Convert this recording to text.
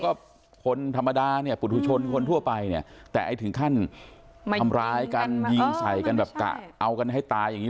โปรดติดตามตอนต่อไป